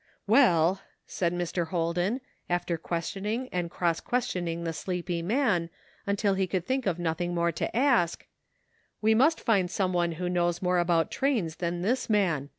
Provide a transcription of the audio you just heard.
" Well," said Mr. Holden, after questioning and cross questioning the sleepy man until he could think of nothing more to ask, " we must find some one who knows more about trains than this man.